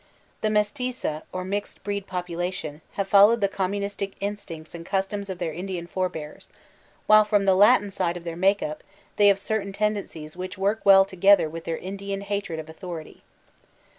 The mestiza, or mixed breed population, have followed the communistic instincts and customs of their Indian forbears; while from the Latin side of their make iq>, they have certain tendencies which work well together with their Indian hatred of authority.